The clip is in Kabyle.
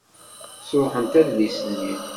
Sṛuḥent adlis-nni.